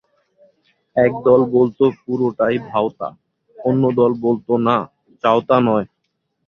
এক দল বলত পুরোটাই ভাঁওতা, অন্য দল বলত, না, চাঁওতা নয়।